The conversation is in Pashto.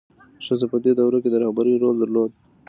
ښځه په دې دوره کې د رهبرۍ رول درلود.